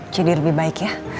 jadi lebih baik ya